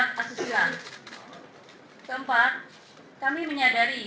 hari ini teman bayi